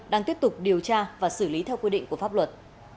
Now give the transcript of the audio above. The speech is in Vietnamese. đang tiếp tục điều tra và xử lý theo quy định của pháp luật